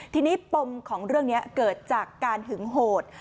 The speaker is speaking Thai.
ทีนี้ปมของเรื่องนี้เกิดจากการหึงโหด